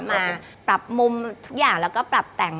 มาปรับมุมทุกอย่างแล้วก็ปรับแต่ง